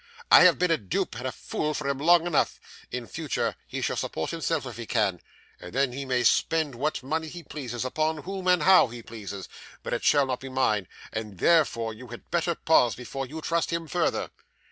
I have been a dupe and a fool to him long enough. In future, he shall support himself if he can, and then he may spend what money he pleases, upon whom and how he pleases; but it shall not be mine, and therefore you had better pause before you trust him further.